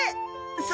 そ